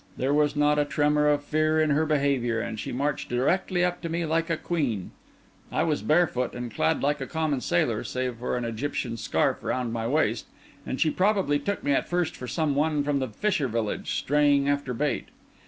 There was not a tremor of fear in her behaviour, and she marched directly up to me like a queen. I was barefoot, and clad like a common sailor, save for an Egyptian scarf round my waist; and she probably took me at first for some one from the fisher village, straying after bait.